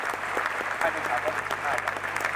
ภายในสามร้อยหกสิบห้าวัน